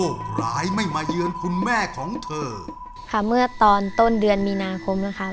ค่ะเมื่อตอนต้นเดือนมีนาคมนะคะ